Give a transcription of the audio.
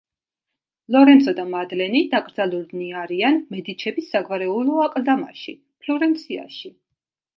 ლორენცო და მადლენი დაკრძალულნი არიან მედიჩების საგვარეულო აკლდამაში, ფლორენციაში.